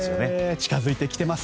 近づいてきてます。